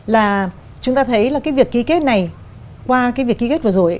là chúng ta thấy là cái việc ký kết này qua cái việc ký kết vừa rồi